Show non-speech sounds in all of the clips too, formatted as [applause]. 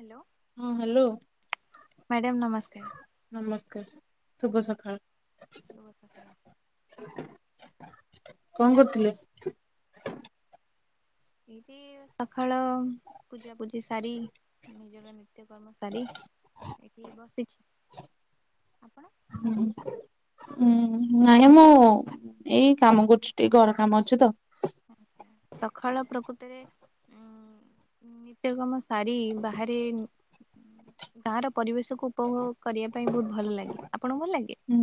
Hello ହଁ hello madam ନମସ୍କାର [inaudible] ନମସ୍ କାସ ଶୁଭ ସକାଳ। ଶୁଭ ସକାଳ। [inaudible] [inaudible] କଣ କରୁଥିଲେ [inaudible] ଏଇଟି ପାଖ ଫଳ ପୂଜାପୂଜି ସାରି ନିଜର ନିତ୍ୟକର୍ମ ସାରି ଏଠି ବସିଛି। ଆପଣ [inaudible] ହୁଁ। ଉୁଁ ନାଇଁ ମୁଁ ଏଇ କାମ କରୁଛି ଟିକେ ଘର କାମ ଅଛି ତ। [inaudible] ଆ ସକାଳ ପ୍ରକୃତିରେ ଉଁ। ନିତ୍ୟ କମ ସାରି ବାହାରେ [inaudible] ଗାଁ ର ପରିବେଶ କୁ ଉପଭୋଗ କରିବା ପାଇଁ ବହୁତ ଭଲ ଲାଗେ। ଆ ହୁଁ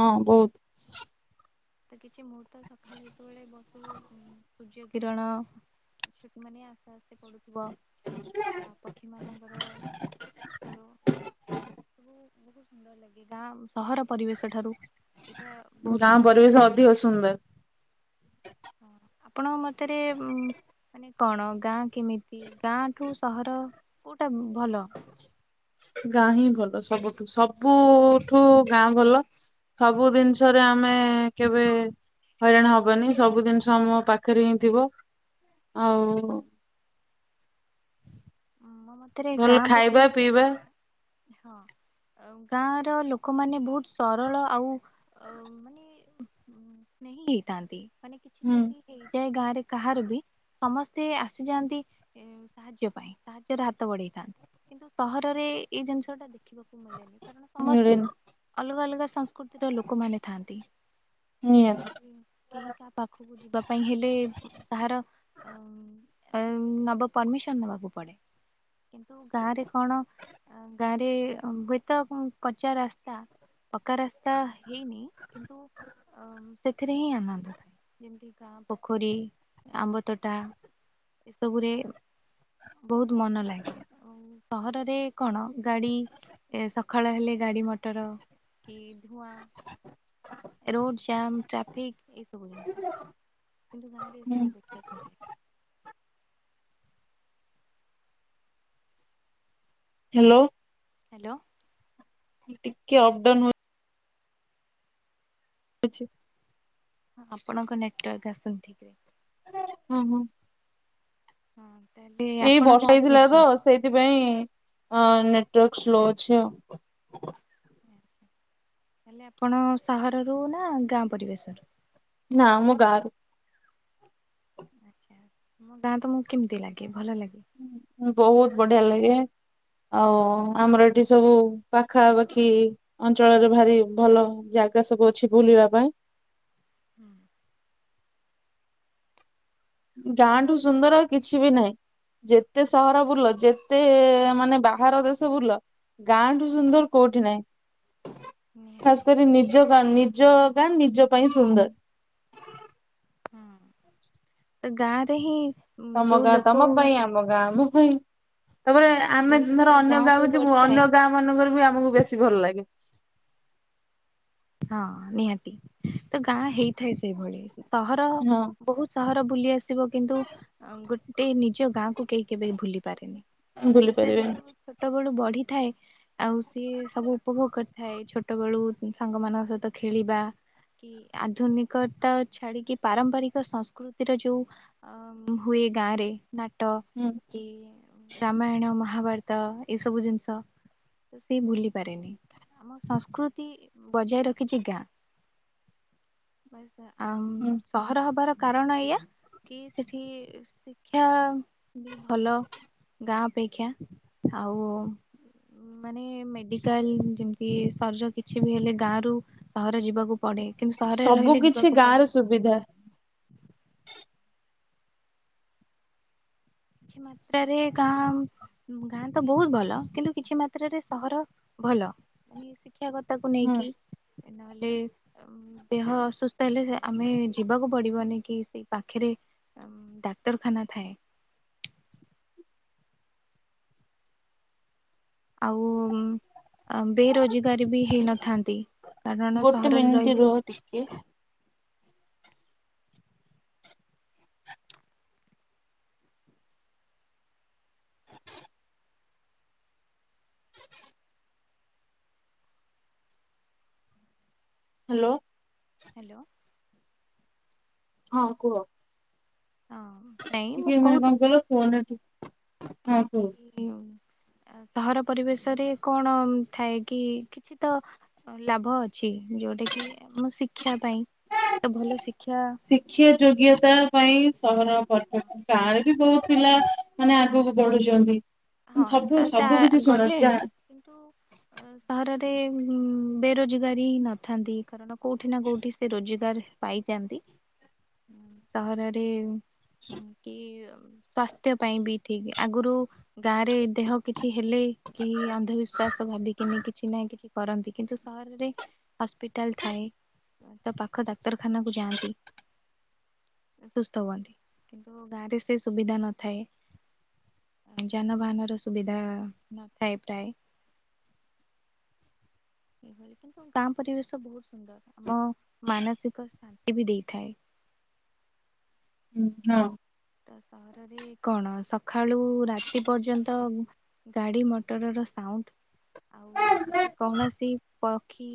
ହଁ ବହୁତ। ତ କିଛି ମୁହୂର୍ତ୍ତ ସକାଳେ ଯେତେବେଳେ ବ ହୁଁ ହୁଁ ସୁର୍ଯ୍ୟ କିରଣ ହଁ ମାନେ ଆସ୍ତେ ଆସ୍ତେ ପୁଡୁଛି। ଥିବ [inaudible] ଆ ପକ୍ଷୀମାନଙ୍କ [inaudible] ସବୁ ସବୁ ବହୁତ ସୁନ୍ଦର ଲାଗେ ଗାଁ ସହର ପରିବେଶ ଠାରୁ ଏଇଟା ବହୁତ ସୁନ୍ଦର। କିଓ ସୁନ୍ଦର। ଆପଣଙ୍କ ମତରେ ଉଁ ମାନେ କଣ ଗାଁ କେମିତି ଗାଁଠୁ ସହର କୋଉଟା ଭଲ। ଗାଁ ହିଁ ଭଲ ସବୁଠୁ ସବୁଠୁ ଗାଁ ଭଲ। ସବୁ ଜିନିଷରେ ଆମେ କେବେ ହଇରାଣ ହବନି ସବୁ ଜିନିଷ ଆମ ପାଖରେ ହିଁ ଥିବ ଆଉ ମୋ ମତରେ ଭଲ ଗାଁ ଖାଇବା ପରିବେଶ [inaudible] ପିଇବା ହଁଉଁ ଗାଁ ର ଲୋକମାନେ ବହୁତ ସରଳ ଆଉ ଅ ମାନେ ସ୍ନେହି ହେଇଥାନ୍ତି। ମାନେ କିଛି ହୁଁ। ଯଦି ହେଇଯାଏ ଗାଁରେ କାହାର ବି ସମସ୍ତେ ଆସିଯାଆନ୍ତି ସାହାଯ୍ୟ ପାଇଁ ସାହାଯ୍ୟରେ ହାତ ବଢେଇଥାନ୍ତି କିନ୍ତୁ ସହରରେ ଏଇ ଜିନିଷ ଟା ଦେଖିବାକୁ ମିଳେନି କାରଣ -ସମସ୍ତେ ମିଳେନି ଅଲଗା ଅଲଗା ସଂସ୍କୃତିର ଲୋକମାନେ ଥାଆନ୍ତି। ସେଠି ନିହାତି। କେହି କା ପାଖକୁ ଯିବା ପାଇଁ ହେଲେ ତାହାର ନବା ପରମିଶନ ନେବାବୁ ପଡେ। କିନ୍ତୁ ଗାଁରେ କଣ ପକ୍କା ରାସ୍ତା ହେଇନି କିନ୍ତୁ ସେଥିରେ ହିଁ ଆନନ୍ଦ ଥାଏ, ଯେମିତିକା ପୋଖରୀ ଆମ୍ବ ତୋଟା ଏସବୁରେ ବହୁତ ମନ ଲାଗେ, ସହରରେ କଣ ଗାଡି ସଖାଳ ହେଲେ ଗାଡ଼ି ମଟର କି ଧୂଆଁ ରୋଡ ଜାମ ଟ୍ରାଫିକ ହ [inaudible] କିନ୍ତୁ ଗାଁ ରେ ଏ ସବୁ ଦେଖିବାକୁ ମିଳେ। ହ୍ୟାଲୋ ହ୍ୟାଲୋ ଟିକେ ଅପ ଡାଉନ ହଏ କିଛି ଆପଣଙ୍କ ନେଟୱାର୍କ ଆସୁନି ଠିକରେ, ହୁଁ ହୁଁ ହଁ [inaudible] ଏଇ ଆପଣ ବର୍ଷା ଗାଁରେ ହେଇଥିଲା ତ ପଢିଛନ୍ତି। ସେଇଥିପାଇଁ ଅ ନେଟୱର୍କ ସ୍ଲୋ ଅଛି ଆଉ, ହେଲେ ଆପଣ ସହରରୁ ନା ଗାଁ ପରିବେଶରୁ? ନାଁ ମୁଁ ଗାଁରୁ। ଆଛା ମୋ ଗାଁ ତ ମ କେମିତି ଲାଗେ, ଭଲ ଲାଗେ ବହୁତ ବଢିଆ ଲାଗେ ଆଉ ଆମର ଏଠି ସବୁ ପାଖାପାଖି ଅଞ୍ଚଳରେ ଭାରି ଭଲ ଯା ଜାଗା ସବୁ ଅଛି ବୁଲିବା ପାଇଁ, ହୁଁ [inaudible] ଗାଁଠୁ ସୁନ୍ଦର ଆଉ କିଛି ବି ନାହିଁ। ଯେତେ ସହର ବୁଲ ଯେତେ ମାନେ ବାହାର ଦେଶ ବୁଲ ଗାଁଠୁ ହଁ ସୁନ୍ଦର କୋଉଠି ନାହିଁ, ନିହାତି ଖାସ କରି କେ ନିଜ ଗାଁ ନିଜଗାଁ ନିଜ ପାଇଁ ସୁନ୍ଦର। ହଁ ତ ଗାରେହିଁ ତମ ଗାଁ ତମ ପାଇଁ ଆମ ଗାଁ ମୁଁ ହୁଁ ହଁ ତାପରେ ଆମେ ଯୋଉ ଲୋକ ଧର ଅନ୍ୟ ଗାଁରେ ଗାଁକୁ ଯିବୁ ବଢିଥାଏ ଅନ୍ୟ ଗାଁ ମାନଙ୍କର ବି ଆମକୁ ବେଶୀ ଭଲ ଲାଗେ ହଁ ନିହାତି ତ ଗାଁ ହେଇଥାଏ ସେଇଭଳି ସହର ହଁ ବହୁତ ସହର ଭୁଲି ଆସିବ କିନ୍ତୁ ଗୋଟେ ନିଜ ଗାଁ କ କେହି କେବେ ଭୁଲି ପାରେନି। ଭୁଲି କାରଣ ସେ ପାରିବେନି ସେଠୁ ଛୋଟ ବେଳୁ ବଢି ିଥାଏ ଆଉ ସିଏ ସବୁ ଉପଭୋଗ କରିଥାଏ ଛୋଟ ବେଳୁ ସାଙ୍ଗମାନଙ୍କ ସହିତ ଖେଳିବା କି ଆଧୁନିକତା ଛାଡିକି ପାରମ୍ପରିକ ସଂସ୍କୃତିର ଯୋଉ ହୁଏ ଗାଁରେ ନାଟ ହୁଁ କି ରାମାୟଣ ମହା ମହାଭାରତ ଏସବୁ ଜିନିଷ ତ ସେ ଭୁଲି ପାରେନି, ଆମ ସଂସ୍କୃତି ବଜାୟ ରଖିଛି ଗାଁ ଆ ହୁଁ ସହର ହବାର କାରଣ ଏଇଆ କି ସେଠି ଶିକ୍ଷା ବି ଭଲ ଗାଁ ଅପେକ୍ଷା ଆଉ ମାନେ ମେଡିକାଲ ଯେମତି ସର୍ଯୋକି କିଛି ବି ହେଲେ ଗାଁରୁ ସହର ଯିବାକୁ ପଡେ କିନ୍ତୁ ସହରରେ ସବୁ ରହିଲେ କିଛି ଯିବାକୁ ଗାଁ ରେ ପଡିବ। ସୁବିଧା। କିଛି ମାତ୍ରାରେ ଗାଁ ଗାଁ ତ ବହୁତ ଭଲ କିନ୍ତୁ କିଛି ମାତ୍ରାରେ ସହର ଭଲ ମାନେ ସେ ଶିକ୍ଷା କଥାକୁ ହୁଁ ନେଇକି ନହେଲେ ଦେହ ଅସୁସ୍ ତ ହେଲେ ଆମେ ଯିବାକୁ ପଡିବନି। କି ସେଇ ପାଖରେ ଡାକ୍ତରଖାନା ଥାଏ। ଆଉ ଆ ବେରୋଜଗାରୀ ବି ହେଇନଥାନ୍ତି କାରଣ ସହରରେ ରହିଲେ ଲେ। ହାଲୋ। ହାଲୋ। ହଁ କୁହ। ହଁ ନାଇଁ ମୁଁ କିିକ ମାନ କଣ କହୁଥିଲି କହିଲ ପୁଅ ନା [unintelligible] ହଁ କୁହ। ଆ ସହର ପରିବେଶରେ କଣ ଥାଏ କି କିଛି ତ ଲାଭ ଅଛି ଯୋଉଟା କିି ଆମ ଶିକ୍ଷା ପାଇଁ ତ ଭଲ ଶିକ୍ଷା ଶିକ୍ଷା ଯୋଗ୍ୟତା ପାଇଁ ସହର ପରଫେକଟ ଗାଁରେ ବି ବହୁତ ପିଲା ମାନେ ଆଗକୁ ବଢୁଚନ୍ତି। ହଁ ଆସ୍ତେ ଆସ୍ତେ ଆ ଗଲେଣି ଯାହା କିନ୍ତୁ ସହରରେ ଗୋଟେ ବେରୋଜଗାରୀ ହିଁ ନଥାନ୍ତି କାରଣ କୋଉଠି ନା କୋଉଠି ସେ ରୋଜଗାର ପାଇଯାନ୍ତି ସହରରେ କି ସ୍ୱାସ୍ଥ୍ୟ ପାଇଁ ବି ଠିକ ଆଗରୁ ଗାଁରେ ଦେହ କିଛି ହେଲେ କି ଅନ୍ଧବିଶ୍ଵାସ ଭାବିକିନି କିଛି ନାହିଁ କିଛି କରନ୍ତି କିନ୍ତୁ ସହରରେ ହସ୍ପିଟାଲ ଥାଏ। ତ ପାଖ ଡାକ୍ତରଖାନାକୁ ଯାଆନ୍ତି। ସୁସ୍ଥ ହୁଅନ୍ତି କିନ୍ତୁ ଗାଁରେ ସେ ସୁବିଧା ନଥାଏ। ଯାନବାହାନ ର ସୁବିଧା ନଥାଏ ପ୍ରାୟ। ଏଭଳି କିନ୍ତୁ ଗାଁ ପରିବେଶ ବହୁତ ସୁନ୍ଦର। ଆମ ମାନସିକ ଶାନ୍ତି ବି ଦେଇଥାଏ। [inaudible] ହୁଁ ହଁ। ତ ସହରରେ କଣ ସକାଳୁ ରାତି ପର୍ଯ୍ୟନ୍ତ ଗାଡି ମଟର ର ସାଉଣ୍ଡ ଆଉ ସେଠି କୌଣସି ପକ୍ଷୀ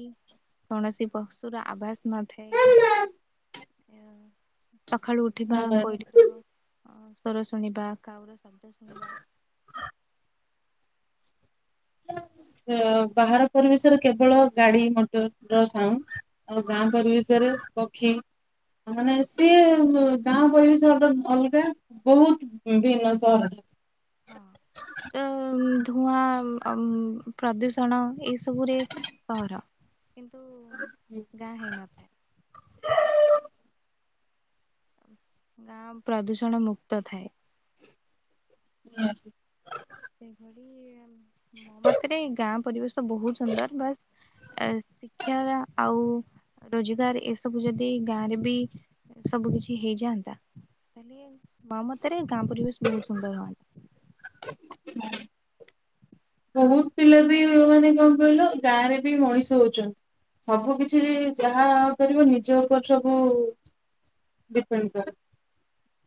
କୌଣସି ପଶୁର ଆଭାସ ନଥାଏ କି ଏ ସଖାଳୁ ଉଠିବା ହଁ। କୋଇଲି ଯୋଗ ଅ ସ୍ୱର ଶୁଣିବା କାଉର ଶବ୍ଦ ଶୁଣିବା ବାହାର ପରିବେଶରେ କେବଳ ଗାଡି ମଟରର ସାଉଣ୍ଡ ଆଉ ହଁ ଗାଁ ପରିବେଶରେ ପକ୍ଷୀ ମାନେ ସିଏ ଗାଁ କହିବି ସେ ଗୋଟେ ଅଲଗା, ବହୁତ ଭିନ୍ନ ସହରରେ ହଁ ତ ଧୁଆଁ ଅ ପ୍ରଦୂଷଣ ଏସବୁରେ ସହର କିନ୍ତୁ ଗାଁ ହେଇନଥାଏ। ଗାଁ ପ୍ରଦୂଷଣ ମୁକ୍ତ ଥାଏ। ହଁ ସେ ସେଭଳି ମୋ ମତରେ ଗାଁ ପରିବେଶ ତ ବହୁତ ସୁନ୍ଦର ବାସ୍ ଆ ଶିକ୍ଷାର ଆଉ ରୋଜଗାର ଏସବୁ ଯଦି ଗାଁ ରେ ବି ସବୁ କିଛି ହେଇଯାଆନ୍ତା ତାଲେ ମୋମତରେ ଗାଁ ପରିବେଶ ବହୁତ ସୁନ୍ଦର ହୁଅନ୍ତା। ହୁଁ। ବହୁତ ପିଲା ବି ମାନେ କଣ କହିଲ ଗାଁ ରେ ବି ମଣିଷ ହଉଚନ୍ତି। ସବୁ କିଛି ହଁ ଯାହା କରିବ ନିଜ ଉପରେ ସବୁ ଡିପେଣ୍ଡ କରେ।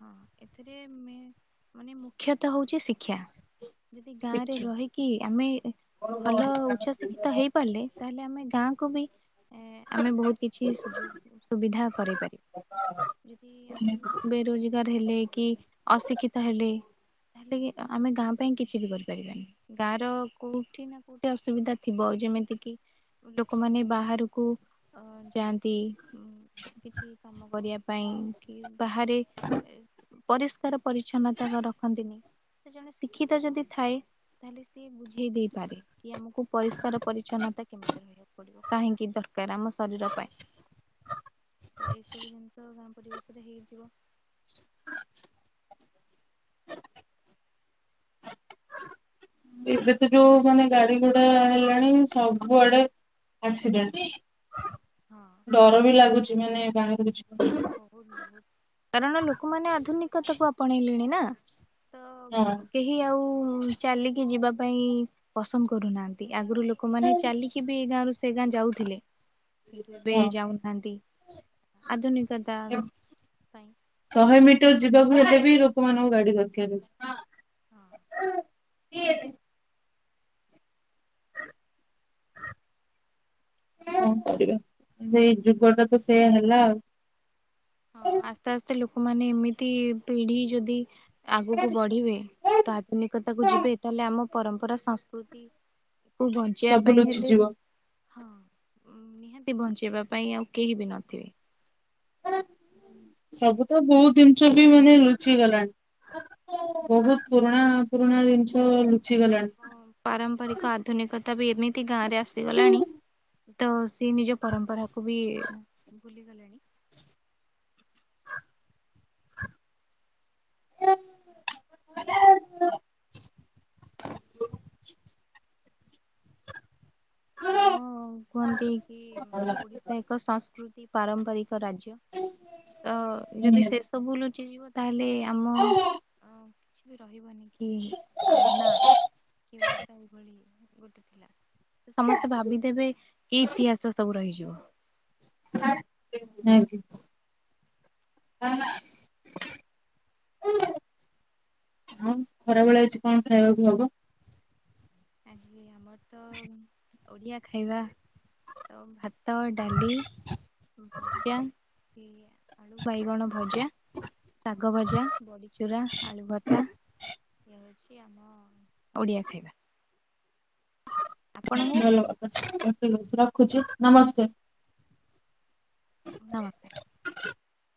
ହଁ ଏଥିରେ ମାନେ ମୁଖ୍ୟତଃ ହଉଛି ଶିକ୍ଷା ଯଦି ଗାଁରେ ଶିକ୍ଷା। ରହିକି, ଆମେ ଭଲ ଉଚ୍ଚ ଶିକ୍ଷିତ ହେଇପାରିଲେ, ତାହେଲେ ଆମେ ଗାଁ ବି ଆମେ ବହୁତ କିଛି ସୁଯୋଗ ସୁବିଧା କରଇ ପାରିବୁ। ଯଦି ଆମେ ବେରୋଜଗାର ହେଲେ କି ଅଶିକ୍ଷିତ ହେଲେ ତାହେଲେ କି ଆମେ ଗାଁ ପାଇଁ କିଛି ବି କରିପାରିବାନି, ଗାଁ ର କୋଉଠି ନା କୋଉଠି ଅସୁବିଧା ଥିବ ଯେମିତି ଯେମିତି କି ଲୋକମାନେ ବାହାରକୁ ଅ ଯାଆନ୍ତି। କିଛି କାମ କରିବା ପାଇଁ କି ବାହାରେ ପରିଷ୍କାର ପରିଚଛନ୍ନତା ରଖନ୍ତିନି। ଜଣେ ଶିକ୍ଷିତ ଯଦି ଥାଏ, ତାହେଲେ ସିଏ ବୁଝେଇ ଦେଇପାରେ କି ଆମକୁ ପରିଷ୍କାର ପରିଚ୍ଛନ୍ନତା କେମିତି ରହିବାକୁ ପଡିବ, କାହିଁକି ଦରକାର ଆମ ଶରୀର ପାଇଁ? ତ ଏଇ ସବୁ ଜିନିଷ ଗାଁ ପରିବେଶ ରେ ହେଇଯିବ। ଏବେ ତ ଯୋଉ ମାନେ ଗାଡି ଗୋଡା ହେଲାଣି ସବୁଆଡେ ହଁ ଡର ବି ଲାଗୁଛି ମାନେ ବା କିଛି ବହୁତ ବହୁତ କାରଣ ଲୋକମାନେ ଆଧୁନିକତାକୁ ଆପଣେଇଲେଣି ନା ତ ହଁ। କେହି ଆଉ ଚାଲିକି ଯିବା ପାଇଁ ପସନ୍ଦ କରୁନାହାଁନ୍ତି। ଆଗରୁ ଲୋକମାନେ ଚାଲିକି ବି ଏ ଗାଁରୁ ସେ ଗାଁ ଯାଉଥିଲେ, କିନ୍ତୁ ଏବେ ହଁ ଯାଉନାହାନ୍ତି। ଆଧୁନିକତା ପାଇଁ ଶହେ ମିଟର ଯିବାକୁ ହେଲେ ବି ଲୋକମାନଙ୍କୁ ଗାଡି ଦରକାର ଅଛି। ହଁ। [unintelligible] କଣ କରିବା, ଏଇ ଯୁଗ ଟା ତ ସେ ହେଲା ଆଉ। ହଁ ଆସ୍ତେ ଆସ୍ତେ ଲୋକମାନେ ଏମିତି ପିଢି ଯଦି ଆଗକୁ ବଢ଼ିବେ ତ ଆଧୁନିକତାକୁ ଯିବେ ତାହେଲେ ଆମ ପରମ୍ପରା ସଂସ୍କୃତି ତାକୁ ବଞ୍ଚିବା ସବୁ ପାଇଁ ହେଲେ ଲୁଚିଯିବ। ହଁ ନିହାତି ବଞ୍ଚେଇବା ପାଇଁ ଆଉ କେହି ବି ନଥିବେ। ସବୁ ତ ବହୁତ ଜିନିଷ ବି ମାନେ ରୁଚି ଗଲାଣି ବହୁତ ପୁରୁଣା ପୁରୁଣା ଜିନିଷ ହ ଲୁଚି ଗଲାଣି। ଆମ ପାରମ୍ପରିକ ଆଧୁନିକତା ବି ଏମିତି ଗାଁ ରେ ଆସିଗଲାଣି ତ ସେ ନିଜ ପରମ୍ପରାକୁୁ ବି ଭୁଲିଗଲେଣି [inaudible] କାରଣ କୁହନ୍ତି କି ଓଡିଶା ଏକ ସଂସ୍କୃତି ପାରମ୍ପରିକ ରାଜ୍ୟ ତ ଯଦି ସେ ନିହାତି ସବୁ ଲୁଚିଯିବ, ତାହେଲେ ଆମ କିଛି ବି ରହିବନି କି ନା କି ଓଡିଶା ଏଭଳି ଗୋଟେ ଥିଲା ସମସ୍ତେ ଭାବିଦେବେ ଏଇ ଇତିହାସ ସବୁ ରହିଯିବ [unintelligible] [unintelligible] ହଁ ଖରା ଭଳେ ଅଛି କଣ ଖାଇବାକୁ ହବ? ଆ ଆମର ତ ଓଡିଆ ଖାଇବା ତ ଭାତ ଭାତ ଡାଲି ଭଜା ଆଳୁ ବାଇଗଣ ଭଜା ଶାଗ ଭଜା ବଡିଚୁରା ଆଳୁ ଭତ୍ତା ଇ ହଉଛି। ଆମ ଓଡିଆ ଖାଇବା। ଆପଣଙ୍କର? ଭଲ ଠିକ୍ ଅଛି ରଖୁଛି ନମସ୍କାର। ନମସ୍କାର। [inaudible]